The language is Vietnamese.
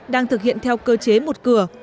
đang thực hiện theo cơ chế một cửa